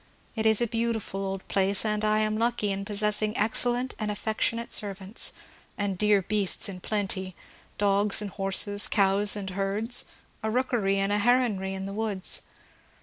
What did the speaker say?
It is a beautiful old place, and I am lucky in pos sessing excellent and affectionate servants ; and dear beasts in plenty, dogs and horses, cows and herds, — a rookery and heronry in the woods.